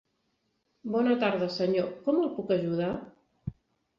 Bona tarda, senyor, com el puc ajudar?